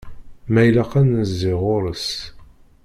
Ma ilaq ad nezzi ɣur-s.